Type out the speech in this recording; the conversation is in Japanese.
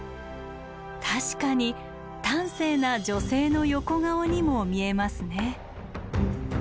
確かに端正な女性の横顔にも見えますね。